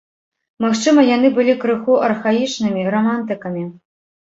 Магчыма, яны былі крыху архаічнымі, рамантыкамі.